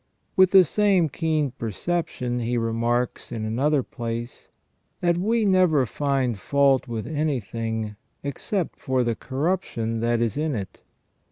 With the same keen perception, he remarks, in another place, that " we never find fault with anything except for the corruption that is in it.